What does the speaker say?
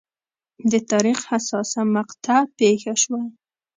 د تاریخ حساسه مقطعه پېښه شوه.